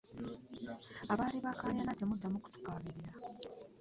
Abaali bakaayana temuddamu kutukaabirira.